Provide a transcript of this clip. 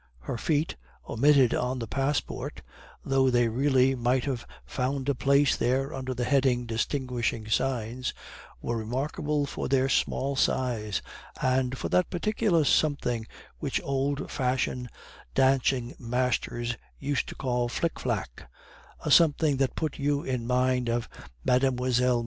Her feet, omitted on the passport, though they really might have found a place there under the heading Distinguishing Signs, were remarkable for their small size, and for that particular something which old fashioned dancing masters used to call flic flac, a something that put you in mind of Mlle.